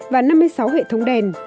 và năm mươi sáu hệ thống đèn